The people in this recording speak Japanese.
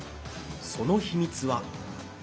その秘密は。